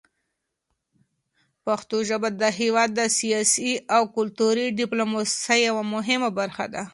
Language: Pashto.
پښتو ژبه د هېواد د سیاسي او کلتوري ډیپلوماسۍ یوه مهمه برخه ده.